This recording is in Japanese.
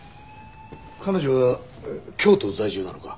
彼女は京都在住なのか？